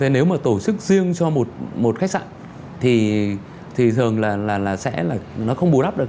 nếu mà tổ chức riêng cho một khách sạn thì thường là sẽ là nó không bù đắp được